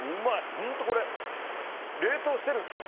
本当これ、冷凍してるんですよね